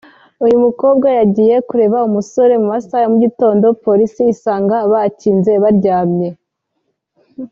uyu mukobwa yagiye kureba uyu musore mu masaha ya mugitondo polisi isanga bakinze baryamye